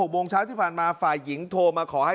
โมงเช้าที่ผ่านมาฝ่ายหญิงโทรมาขอให้